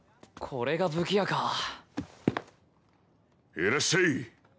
いらっしゃい。